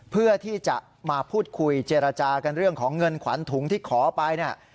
เพื่อที่จะมาพูดคุยเจรจากันเรื่องของเงินขวัญถุงที่ขอไปเนี่ย